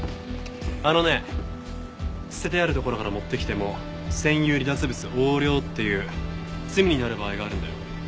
あのね捨ててあるところから持ってきても占有離脱物横領っていう罪になる場合があるんだよ。